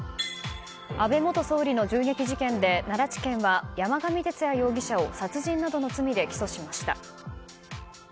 安倍元総理の銃撃事件で奈良地検は山上徹也容疑者を殺人などの罪で起訴しました。